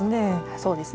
そうですね。